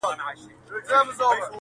په هر چا کي ښه او بد سته.